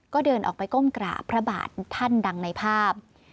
ก็เดินออกไปก้มกราบพระบาทท่านดังในภาพ